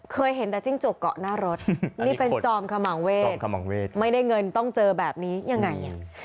เคยเห็นแต่จิ้งจกเกาะหน้ารถนี่เป็นจอมขมังเวทขมังเวทไม่ได้เงินต้องเจอแบบนี้ยังไง